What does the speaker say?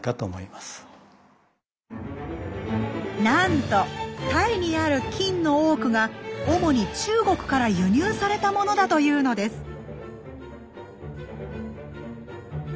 なんとタイにある金の多くが主に中国から輸入されたものだというのです。